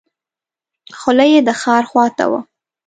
خوله یې د ښار خواته وه.